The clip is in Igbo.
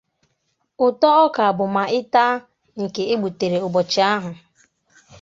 Ụtọ ọka bụ ma ị taa nke e gbutere ụbọchị ahụ